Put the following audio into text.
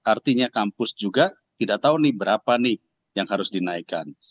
artinya kampus juga tidak tahu nih berapa nih yang harus dinaikkan